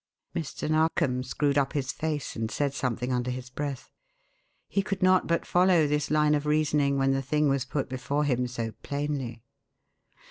Mr. Narkom screwed up his face and said something under his breath. He could not but follow this line of reasoning when the thing was put before him so plainly.